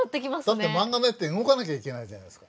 だってマンガの絵って動かなきゃいけないじゃないですか。